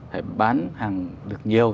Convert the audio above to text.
phải bán hàng được nhiều